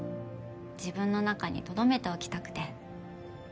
自分の中にとどめておきたくて。